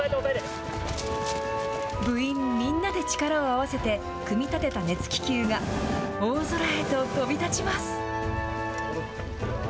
部員みんなで力を合わせて、組み立てた熱気球が、大空へと飛び立ちます。